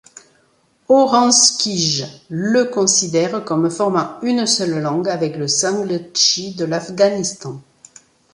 Oranskij le considère comme formant une seule langue avec le sangletchi de l'Afghanistan.